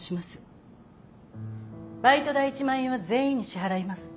バイト代１万円は全員に支払います。